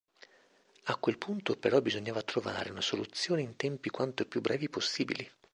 A quel punto però bisognava trovare una soluzione in tempi quanto più brevi possibili.